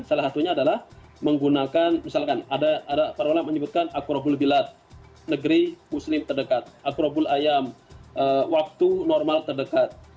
salah satunya adalah menggunakan misalkan ada para ulama menyebutkan akrobul bilat negeri muslim terdekat akrobul ayam waktu normal terdekat